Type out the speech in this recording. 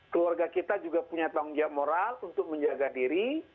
keluarga kita juga punya tanggung jawab moral untuk menjaga diri